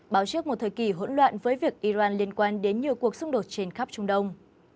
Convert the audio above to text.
báo trước một thời kỳ hỗn loạn với việc iran liên quan đến nhiều cuộc xung đột trên khắp trung đông